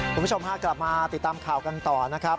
คุณผู้ชมพากลับมาติดตามข่าวกันต่อนะครับ